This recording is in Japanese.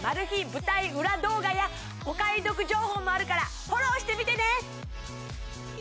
舞台裏動画やお買い得情報もあるからフォローしてみてね